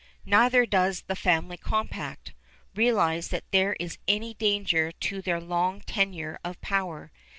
Neither does the family compact realize that there is any danger to their long tenure of power.